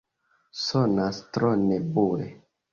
Sonas tro nebule.